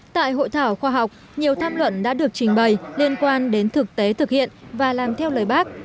tại hội thảo khoa học nhiều tham luận đã được trình bày liên quan đến thực tế thực hiện và làm theo lời bác